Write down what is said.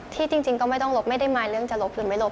จริงก็ไม่ต้องลบไม่ได้มายเรื่องจะลบหรือไม่ลบ